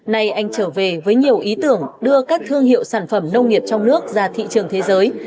nay anh trở về với nhiều ý tưởng đưa các thương hiệu sản phẩm nông nghiệp trong nước ra thị trường thế giới